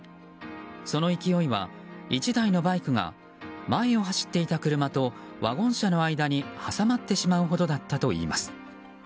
その勢いは、１台のバイクが前を走っていた車とワゴン車の間に挟まってしまうほどだったといいます。